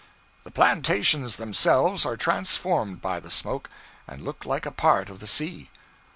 The plantations themselves are transformed by the smoke, and look like a part of the sea.